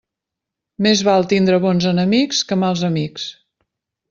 Més val tindre bons enemics que mals amics.